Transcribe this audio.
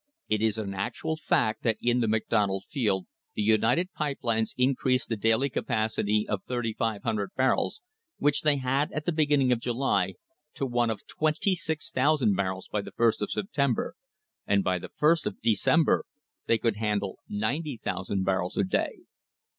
It is an actual fact that in the McDonald field the United Pipe Lines increased the daily capacity of 3,500 barrels, which they had at the beginning of July, to one of 26,000 barrels by the first of September, and by the first of December they could handle 90,000 barrels a day.